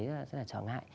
rất là trở ngại